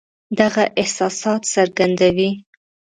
دغه احساسات څرګندوي.